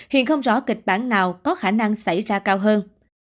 hiện không rõ kịch bản nào có khả năng xảy ra cao hơn